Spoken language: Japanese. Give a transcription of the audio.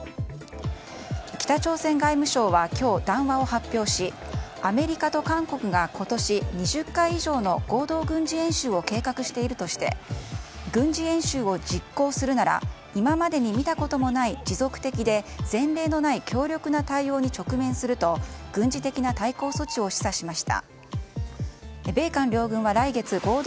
北朝鮮外務省は今日、談話を発表しアメリカと韓国が今年、２０回以上の合同軍事演習を計画しているとして軍事演習を実行するなら今までに見たこともない持続的で前例のない強力な対応に直面すると軍事的な対抗措置を示唆しました。